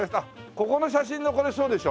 ここの写真のこれそうでしょ？